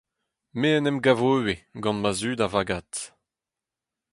Me en em gavo ivez, gant ma zud a-vagad.